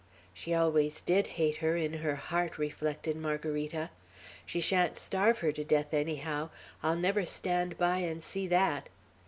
"She always did hate her, in her heart," reflected Margarita; "she shan't starve her to death, anyhow. I'll never stand by and see that.